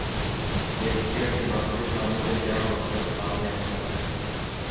دیکھیے اب جماعت اسلامی کا کیا موقف سامنے آتا ہے۔